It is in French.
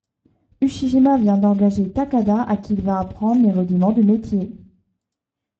Ushijima vient d’engager Takada à qui il va apprendre les rudiments du métier.